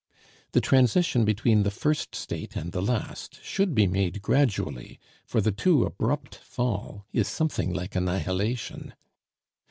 The transition between the first state and the last should be made gradually, for the too abrupt fall is something like annihilation.